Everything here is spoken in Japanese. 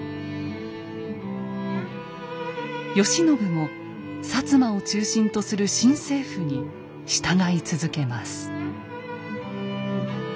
慶喜も摩を中心とする新政府に従い続けます。